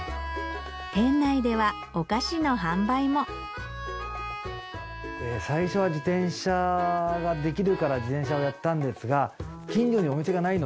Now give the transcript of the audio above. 店内ではお菓子の販売も最初は自転車ができるから自転車屋をやったんですが。